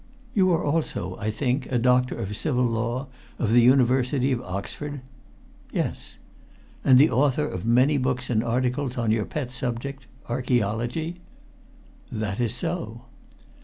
"You are also, I think, a Doctor of Civil Law of the University of Oxford?" "Yes." "And the author of many books and articles on your pet subject archæology?" "That is so."